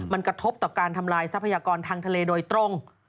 มันกระทบต่อการทำลายทรัพยากรทางทะเลโดยตรง